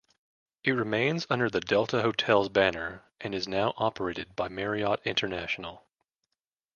It remains under the Delta Hotels banner and is now operated by Marriott International.